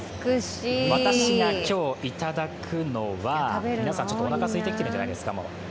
私が今日いただくのは皆さん、ちょっとおなか空いてきてるんじゃないですか？